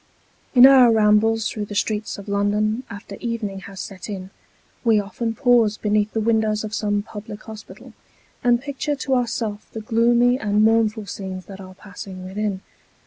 IN our rambles through the streets of London after evening has set in, we often pause beneath the windows of some public hospital, and picture to ourself the gloomy and mournful scenes that are passing within.